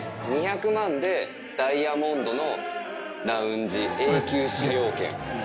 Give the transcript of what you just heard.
２００万でダイヤモンドのラウンジ永久使用権。